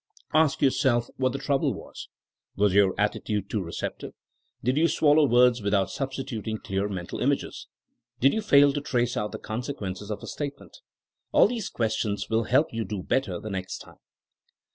Ask yourself what the trouble was. Was your attitude too receptive J Did yotl swal low words without substituting clear mental images 1 Did you fail to trace out the conse quences of a statement! AJl these questions will help you do better the next time.